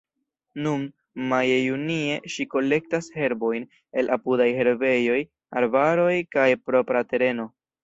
Nun, maje-junie, ŝi kolektas herbojn el apudaj herbejoj, arbaroj kaj propra tereno.